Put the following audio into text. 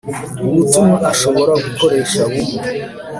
Ubutumwa ashobora gukoresha bumwe